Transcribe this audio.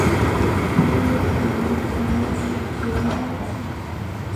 Fruto de este matrimonio tuvieron un hijo Gerónimo Pando.